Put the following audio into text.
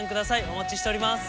お待ちしております。